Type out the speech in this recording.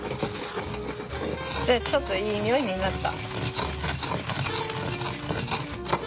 でちょっといい匂いになった！